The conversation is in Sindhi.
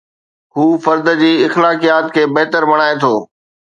هو فرد جي اخلاقيات کي بهتر بڻائي ٿو.